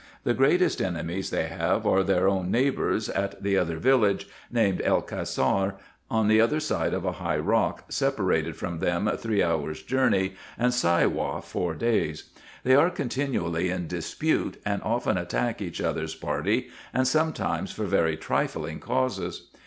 The greatest enemies they have are their own neighbours at the other village, named El Cassar, on the other side of a high rock, separated from them three hours' journey, and Siwah four days. They are con tinually in dispute, and often attack each other's party, and sometimes for very trifling causes.